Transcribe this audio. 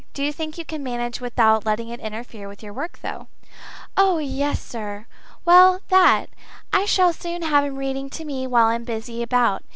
Do you think you can manage without letting it interfere with your work, though?" "Oh yes, sir well that! I shall soon have him reading to me while I'm busy about.